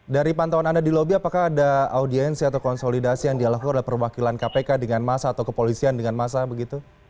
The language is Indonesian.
dari pantauan anda di lobi apakah ada audiensi atau konsolidasi yang dilakukan oleh perwakilan kpk dengan masa atau kepolisian dengan masa begitu